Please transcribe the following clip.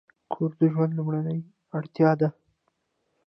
کور د ژوند لومړنۍ اړتیا ده.